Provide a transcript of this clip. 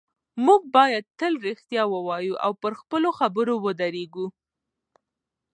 موږ باید تل رښتیا ووایو او پر خپلو خبرو ودرېږو